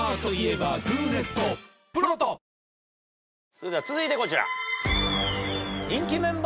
それでは続いてこちら。